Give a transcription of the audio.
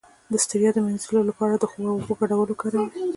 د ستړیا د مینځلو لپاره د خوب او اوبو ګډول وکاروئ